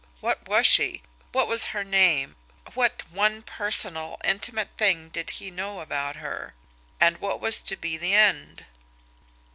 What was she? What was her name? What one personal, intimate thing did he know about her? And what was to be the end?